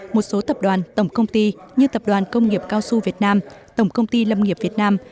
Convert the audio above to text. một số tập đoàn tổng công ty như tập đoàn công nghiệp cao su việt nam tổng công ty lâm nghiệp việt nam